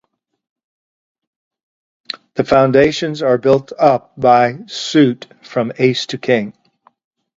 The foundations are built up by suit from Ace to King.